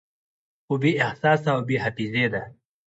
خو بې احساسه او بې حافظې ده